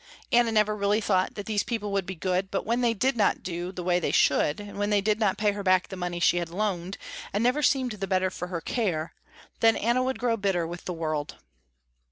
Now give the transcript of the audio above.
Anna never really thought that these people would be good, but when they did not do the way they should, and when they did not pay her back the money she had loaned, and never seemed the better for her care, then Anna would grow bitter with the world.